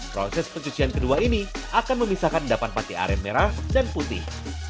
proses pencucian kedua ini akan memisahkan endapan pate aren merah dan putih